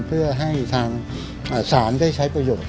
เพื่อให้ทางศาลได้ใช้ประโยชน